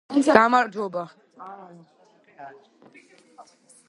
მიმდინარეობს აწმყოს – გარე სამყაროს რეალური გააზრება.